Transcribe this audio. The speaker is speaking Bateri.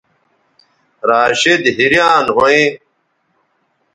راشدحیریان ھویں